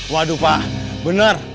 waduh pak bener